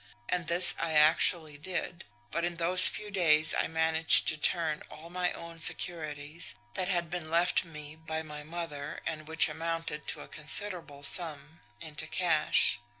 And this I actually did; but in those few days I managed to turn all my own securities, that had been left me by my mother and which amounted to a considerable sum, into cash.